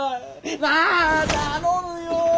なあ頼むよ！